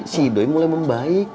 si ido mulai membaik